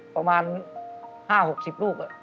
ประมาณ๕๖๐ลูก